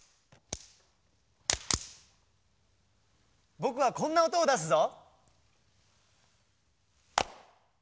ぼくはこんなおとをだすぞ。